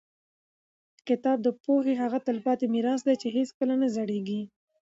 کتاب د پوهې هغه تلپاتې میراث دی چې هېڅکله نه زړېږي.